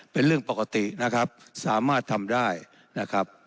เป็นเรื่องปกตินะครับสามารถทำได้นะครับ